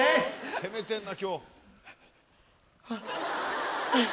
攻めてんな今日。